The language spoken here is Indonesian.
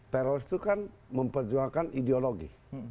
teroris itu kan memperjuangkan ideologi